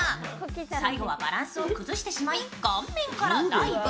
最後はバランスを崩してしまい、顔面からダイブ。